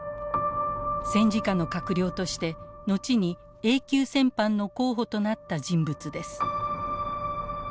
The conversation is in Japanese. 戦時下の閣僚として後にＡ級戦犯の候補となった人物です。